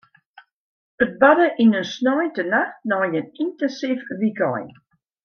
It barde yn in sneintenacht nei in yntinsyf wykein.